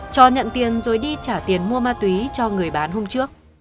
cho nhận tiền rồi đi trả tiền mua ma túy cho người bán hôm trước